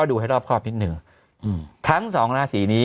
อืม